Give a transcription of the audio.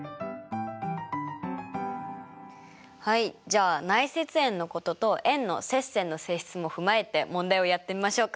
はいじゃあ内接円のことと円の接線の性質も踏まえて問題をやってみましょうか。